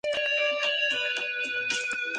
El casamiento fue en el Hotel Sheraton Montevideo.